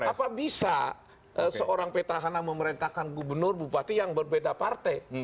apa bisa seorang petahana memerintahkan gubernur bupati yang berbeda partai